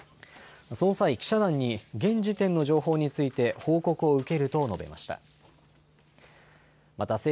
その際、記者団に現時点の情報について報告を受けると述べました。